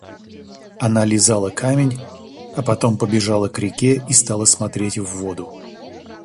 Она лизала камень, а потом побежала к реке и стала смотреть в воду.